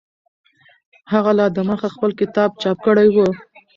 هغه لا دمخه خپل کتاب چاپ کړی و.